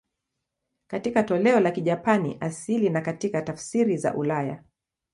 Katika toleo la Kijapani asili na katika tafsiri za ulaya.